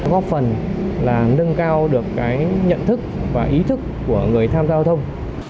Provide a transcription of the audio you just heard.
góp phần là nâng cao được cái nhận thức và ý thức của người tham gia giao thông